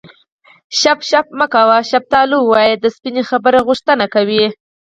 شف شف مه کوه شفتالو ووایه د سپینې خبرې غوښتنه کوي